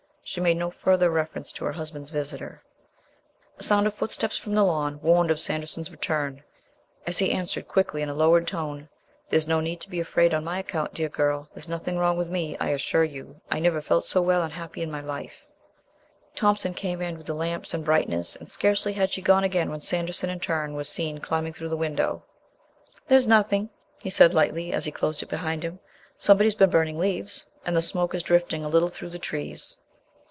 She made no further reference to her husband's visitor. A sound of footsteps from the lawn warned of Sanderson's return, as he answered quickly in a lowered tone "There's no need to be afraid on my account, dear girl. There's nothing wrong with me. I assure you; I never felt so well and happy in my life." Thompson came in with the lamps and brightness, and scarcely had she gone again when Sanderson in turn was seen climbing through the window. "There's nothing," he said lightly, as he closed it behind him. "Somebody's been burning leaves, and the smoke is drifting a little through the trees.